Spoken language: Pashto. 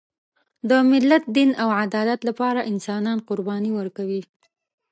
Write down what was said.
د ملت، دین او عدالت لپاره انسانان قرباني ورکوي.